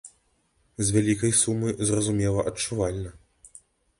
З вялікай сумы, зразумела, адчувальна.